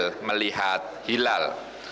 berhasil melihat hilal